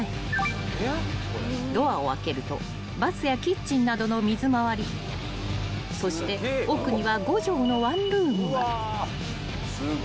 ［ドアを開けるとバスやキッチンなどの水回りそして奥には５畳のワンルームが］